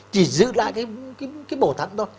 chỉ giữ lại cái bổ thận thôi